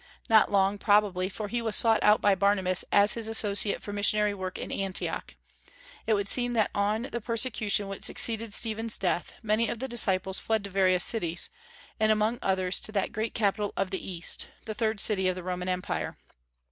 Not long, probably, for he was sought out by Barnabas as his associate for missionary work in Antioch. It would seem that on the persecution which succeeded Stephen's death, many of the disciples fled to various cities; and among others, to that great capital of the East, the third city of the Roman Empire.